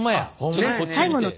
ちょっとこっち見て。